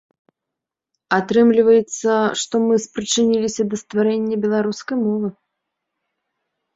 Атрымліваецца, што мы спрычыніліся да стварэння беларускай мовы.